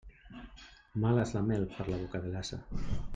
Mala és la mel per a la boca de l'ase.